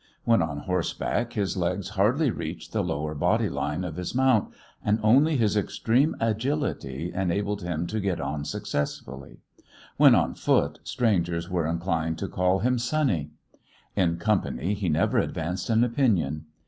When on horseback his legs hardly reached the lower body line of his mount, and only his extreme agility enabled him to get on successfully. When on foot, strangers were inclined to call him "sonny." In company he never advanced an opinion.